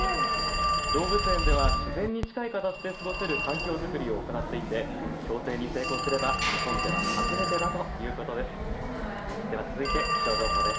動物園では自然に近い形で過ごせる環境作りを行っていて共生に成功すれば日本では初めてだということです。